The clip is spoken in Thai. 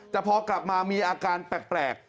แต่พอกลับมามีอาการแปลก